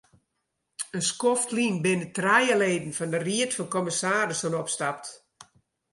In skoft lyn binne trije leden fan de ried fan kommissarissen opstapt.